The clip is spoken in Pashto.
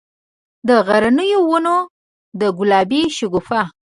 د غرنیو ونو، د ګلابي شګوفو،